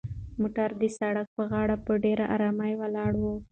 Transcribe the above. موټر د سړک په غاړه په ډېرې ارامۍ ولاړ و.